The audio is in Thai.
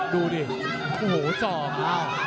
ดูดิโอ้โหสอบ